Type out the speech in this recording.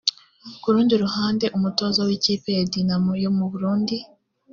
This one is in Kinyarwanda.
Ku rundi ruhande umutoza w’ ikipe ya Dynamo yo mu Burundi